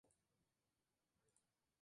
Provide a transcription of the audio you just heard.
Violet sacude la cabeza para decir no.